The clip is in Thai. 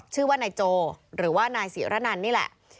ชื่อว่านายโจหรือว่านายศิรนันนี่แหละ